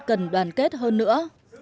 cần đoàn kết hơn nữa